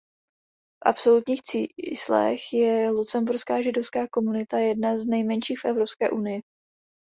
V absolutních číslech je lucemburská židovská komunita jedna z nejmenších v Evropské unii.